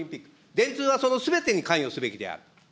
電通はそのすべてに関与すべきである。